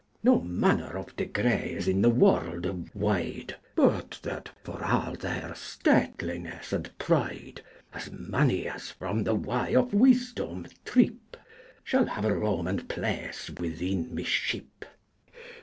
No maner of degre is in the worlde wyde, But that for all theyr statelynes and pryde As many as from the way of wysdome tryp Shall have a rowme and place within my shyp.